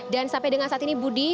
dan sampai dengan saat ini budi